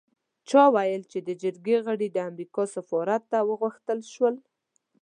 چا ویل چې د جرګې غړي د امریکا سفارت ته وغوښتل شول.